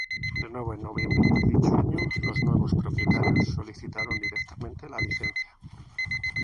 De nuevo en noviembre de dicho año, los nuevos propietarios solicitaron directamente la licencia.